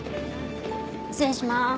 失礼します。